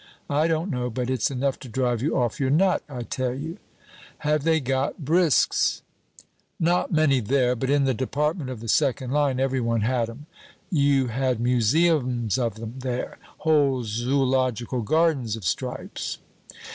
I don't know, but it's enough to drive you off your nut, I tell you." "Have they got brisques?" [note 2] "Not many there, but in the department of the second line every one had 'em. You had museums of 'em there whole Zoological Gardens of stripes."